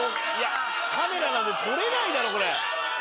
カメラなんて撮れないだろ。